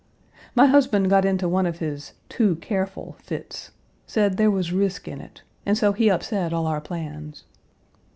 My husband got into one of his "too careful" fits; said there was risk in it; and so he upset all our plans.